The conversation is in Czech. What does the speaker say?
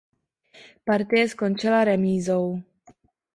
Partie skončila remízou.